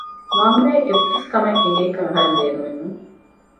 މަންމައަށް އެއްވެސް ކަމެއް އެނގޭކަށް އަހަރެން ބޭނުމެއް ނޫން